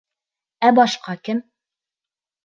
Ә башҡа кем?